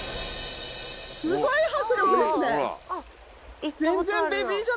すごい迫力ですね！